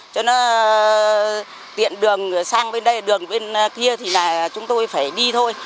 cho nó tiện đường sang bên đây đường bên kia thì là chúng tôi phải đi thôi